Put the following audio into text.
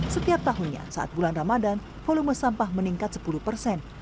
setiap tahunnya saat bulan ramadan volume sampah meningkat sepuluh persen